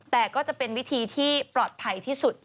แต่ก็จะเป็นวิธีที่ปลอดภัยที่สุด